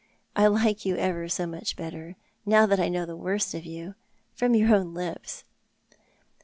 I like you ever so much better— now that I know the worst of you— from your own lips."